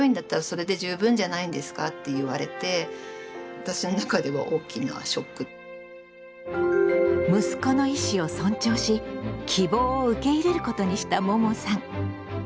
子どもの気持ちとしては息子の意思を尊重し希望を受け入れることにしたももさん。